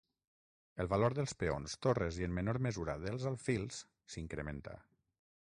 El valor dels peons, torres, i en menor mesura, dels alfils, s’incrementa.